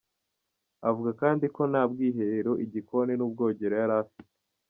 Avuga kandi ko nta bwiherero, igikoni n'ubwogero yari afite.